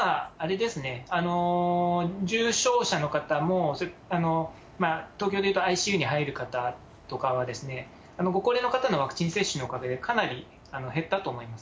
重症者の方も、東京でいうとＩＣＵに入る方とかは、ご高齢の方のワクチン接種のおかげでかなり減ったと思います。